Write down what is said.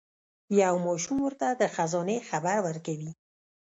یو ماشوم ورته د خزانې خبر ورکوي.